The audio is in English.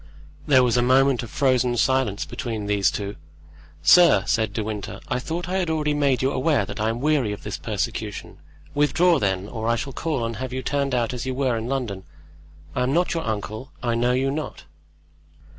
There was a moment of frozen silence between these two. "Sir," said De Winter, "I thought I had already made you aware that I am weary of this persecution; withdraw, then, or I shall call and have you turned out as you were in London. I am not your uncle, I know you not."